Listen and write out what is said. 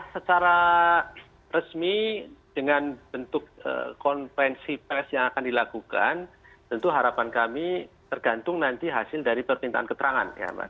secara resmi dengan bentuk konvensi pres yang akan dilakukan tentu harapan kami tergantung nanti hasil dari pertintaan keterangan ya pak